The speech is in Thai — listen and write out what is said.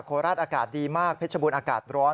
โคราชอากาศดีมากเพชรบูรณอากาศร้อน